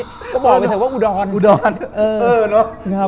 ก็บอกไปแต่ว่าอุดร